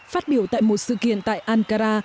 phát biểu tại một sự kiện tại ankara